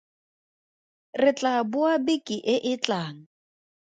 Re tlaa boa beke e e tlang.